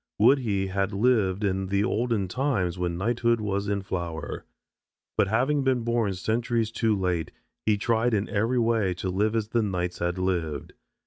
Would he had lived in the olden times when knighthood was in flower. But having been born centuries too late he tried in every way to live as the knights had lived.